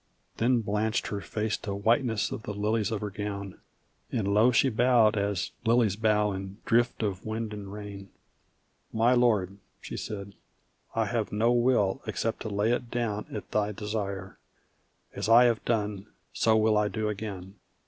Then blanched her face to whiteness of the lilies on her gown, And low she bowed as lilies bow in drift of wind and rain; "My Lord," she said, "I have no will except to lay it down At thy desire. As I have done, so will I do again.